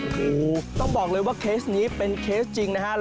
โอ้โหต้องบอกเลยว่าเคสนี้เป็นเคสจริงนะฮะ